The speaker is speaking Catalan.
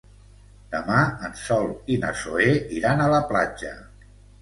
Demà en Sol i na Zoè iran a la platja.